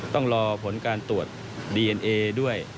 ต้องรอผลการตรวจดีเอ็นเอด้วย